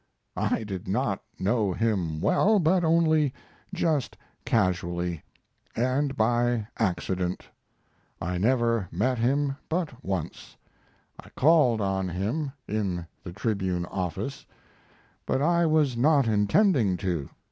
I did not know him well, but only just casually, and by accident. I never met him but once. I called on him in the Tribune office, but I was not intending to.